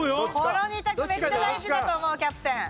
この２択めっちゃ大事だと思うキャプテン。